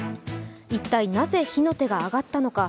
一体なぜ火の手が上がったのか。